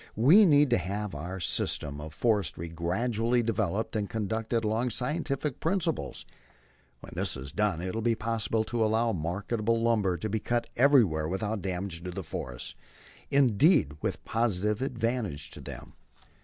We need to have our system of forestry gradually developed and conducted along scientific principles. When this has been done it will be possible to allow marketable lumber to be cut everywhere without damage to the forests indeed, with positive advantage to them.